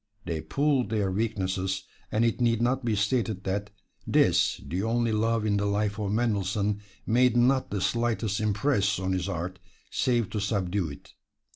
They pooled their weaknesses, and it need not be stated that this, the only love in the life of Mendelssohn, made not the slightest impress on his art, save to subdue it.